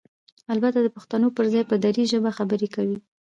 البته دپښتو پرځای په ډري ژبه خبرې کوي؟!